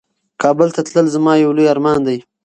کابل ته تلل زما یو لوی ارمان دی.